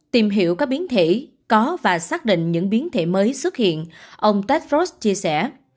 tìm hiểu các biến thể có và xác định những biến thể mới xuất hiện ông tedfrost chia sẻ